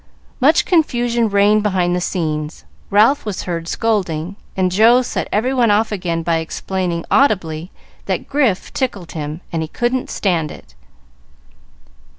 Much confusion reigned behind the scenes; Ralph was heard scolding, and Joe set every one off again by explaining, audibly, that Grif tickled him, and he couldn't stand it.